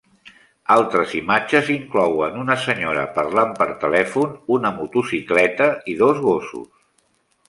Altres imatges inclouen una senyora parlant per telèfon, una motocicleta i dos gossos.